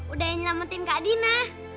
udah yang nyelamatin kak dina